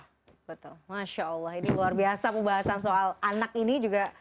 ini luar biasa pembahasan soal anak ini juga